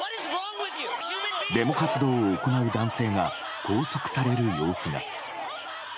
デモ活動を行う男性が拘束される様子が。